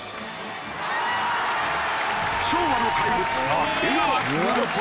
昭和の怪物江川卓と。